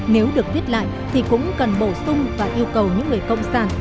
nếu được viết lại thì cũng cần bổ sung và yêu cầu những người cộng sản